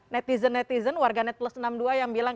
netizen netizen warganet plus enam puluh dua yang bilang